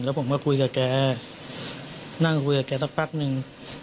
แล้วผมก็คุยกับแกนางคุยกับแกตลอดหนึ่ง